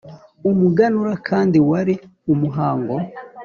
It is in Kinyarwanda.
Umuganura kandi wari umuhango